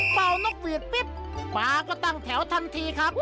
เป่านกหวีดปุ๊บปลาก็ตั้งแถวทันทีครับ